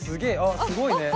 あすごいね。